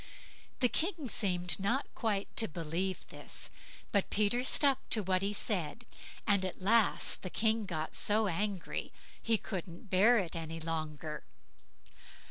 The King seemed not quite to believe this, but Peter stuck to what he said, and at last the King got so angry, he couldn't bear it any longer.